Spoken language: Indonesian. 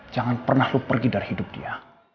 jangan pernah lu pergi dari hidup dia